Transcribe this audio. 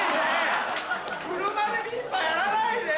車でリンパやらないで！